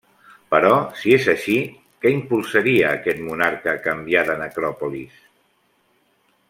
Però, si és així, què impulsaria a aquest monarca a canviar de necròpolis?